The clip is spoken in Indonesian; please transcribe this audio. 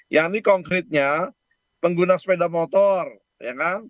yang ini konkretnya pengguna sepeda motor ya kan